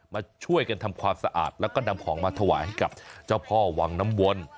มาช่วยกันทำความสะอาดแล้วก็นำของมาถวายให้กับเจ้าพ่อวังน้ำวน